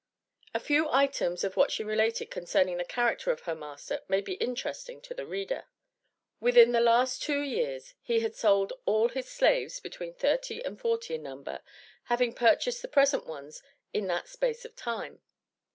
A few items of what she related concerning the character of her master may be interesting to the reader Within the last two years he had sold all his slaves between thirty and forty in number having purchased the present ones in that space of time.